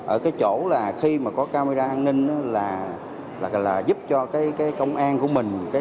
ở cái chỗ là khi mà có camera an ninh là giúp cho cái công an của mình